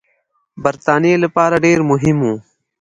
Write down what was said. برټانیې لپاره ډېر مهم وه.